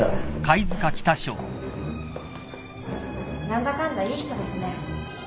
何だかんだいい人ですね。